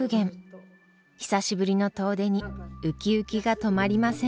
久しぶりの遠出にウキウキが止まりません。